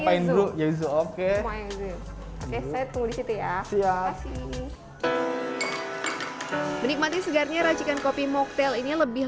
pain blue yuzu oke saya tunggu di situ ya siap menikmati segarnya racikan kopi moktel ini lebih